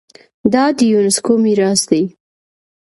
دا د یونیسکو میراث دی.